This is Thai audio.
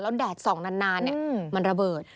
แดดส่องนานมันระเบิด